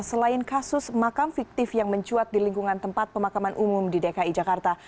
selain kasus makam fiktif yang mencuat di lingkungan tempat pemakaman umum di dki jakarta